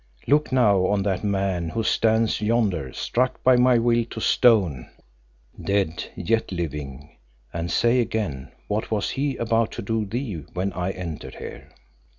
Look now on that man who stands yonder struck by my will to stone, dead yet living, and say again what was he about to do to thee when I entered here?"